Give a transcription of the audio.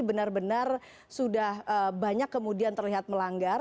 benar benar sudah banyak kemudian terlihat melanggar